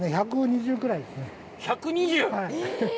１２０くらいですね。